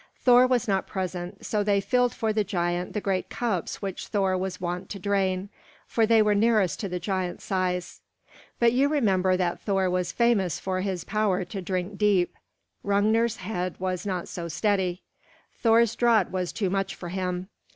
Thor was not present, so they filled for the giant the great cups which Thor was wont to drain, for they were nearest to the giant size. But you remember that Thor was famous for his power to drink deep. Hrungnir's head was not so steady; Thor's draught was too much for him.